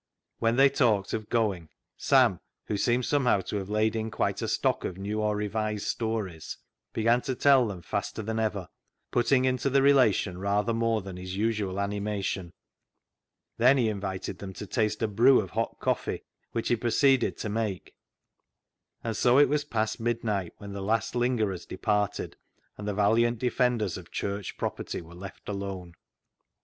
When they talked of going, Sam, who seemed somehow to have laid in quite a stock of new or revised stories, began to tell them faster than ever, putting into the relation rather more than his usual animation. Then he invited them to taste a brew of hot coffee, which he proceeded to make ; and so it was past mid night when the last lingerers departed, and the valiant defenders of church property were left alone.